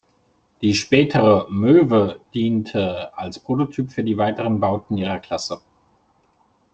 Die spätere "Möwe" diente als Prototyp für die weiteren Bauten ihrer Klasse.